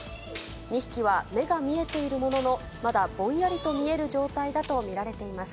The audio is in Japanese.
２匹は目が見えているものの、まだぼんやりと見える状態だと見られています。